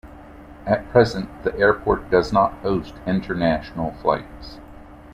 At present the airport does not host international flights.